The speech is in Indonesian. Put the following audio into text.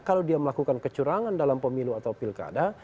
kalau dia melakukan kecurangan dalam pemilu atau pilkada